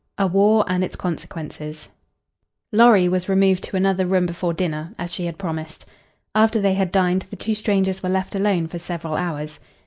A WAR AND ITS CONSEQUENCES Lorry was removed to another room before dinner, as she had promised. After they had dined the two strangers were left alone for several hours.